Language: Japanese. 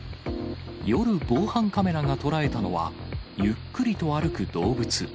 夜、防犯カメラが捉えたのは、ゆっくりと歩く動物。